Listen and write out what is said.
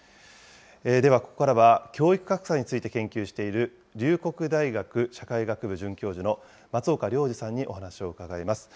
ではここからは、教育格差について研究している龍谷大学社会学部准教授の松岡亮二さんにお話を伺います。